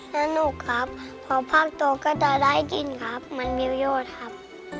น่าหนุกครับพอพักโตก็จะได้กินครับเหมือนมิวโยดครับ